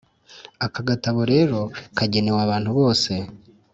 aka gatabo rero kagenewe abantu bose